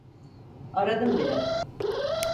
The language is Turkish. Aradım bile.